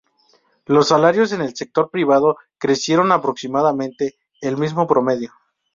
Los salarios en el sector privado crecieron aproximadamente el mismo promedio.